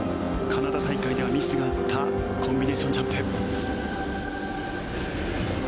カナダ大会ではミスがあったコンビネーションジャンプ。